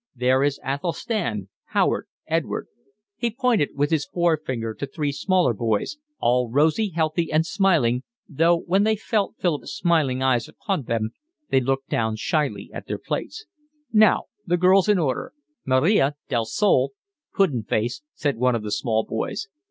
There is Athelstan, Harold, Edward." He pointed with his forefinger to three smaller boys, all rosy, healthy, and smiling, though when they felt Philip's smiling eyes upon them they looked shyly down at their plates. "Now the girls in order: Maria del Sol…" "Pudding Face," said one of the small boys.